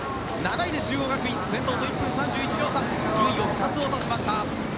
７位で中央学院先頭と１分３１秒差順位を２つ落としました。